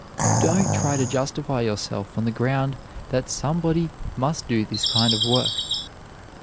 Don't try to justify yourself on the ground that somebody must do this kind of work.